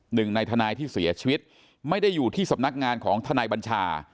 หนึ่งในทนายที่เสียชีวิตไม่ได้อยู่ที่สำนักงานของทนายบัญชา